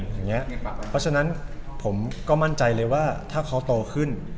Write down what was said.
อย่างเงี้ยเพราะฉะนั้นผมก็มั่นใจเลยว่าถ้าเขาโตขึ้น